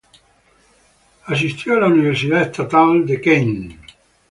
Asistió a la Universidad estatal Kent.